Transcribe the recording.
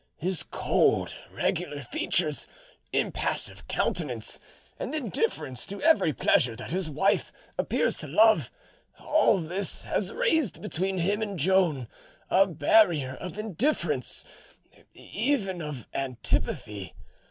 His cold, regular features, impassive countenance, and indifference to every pleasure that his wife appears to love, all this has raised between him and Joan a barrier of indifference, even of antipathy.